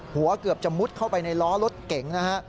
เกือบจะมุดเข้าไปในล้อรถเก๋งนะฮะ